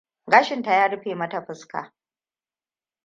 Gashinta ya rufe mata fuska.